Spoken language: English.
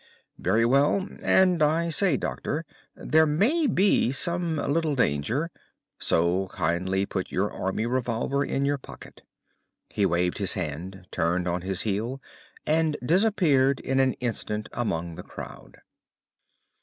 "Very well. And, I say, Doctor, there may be some little danger, so kindly put your army revolver in your pocket." He waved his hand, turned on his heel, and disappeared in an instant among the crowd.